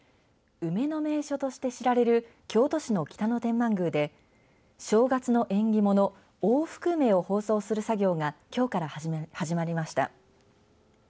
梅の名所として知られる京都市の北野天満宮で正月の縁起物大福梅を包装する作業がきょうから始まりました。